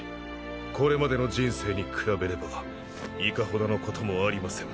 これまでの人生に比べればいかほどのこともありません